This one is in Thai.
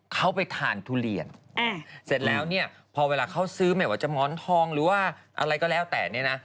เขาไปทานทุเรียนเสร็จแล้วเนี่ยพอเวลาเขาซื้อไม่ว่าจะหมอนทองหรือว่าอะไรก็แล้วแต่เนี่ยนะ